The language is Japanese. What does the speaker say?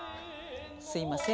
「すいません」